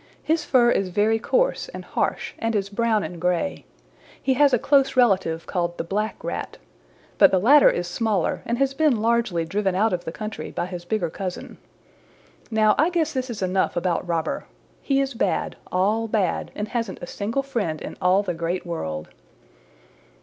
His fur is very coarse and harsh and is brown and gray. He has a close relative called the Black Rat. But the latter is smaller and has been largely driven out of the country by his bigger cousin. Now I guess this is enough about Robber. He is bad, all bad, and hasn't a single friend in all the Great World."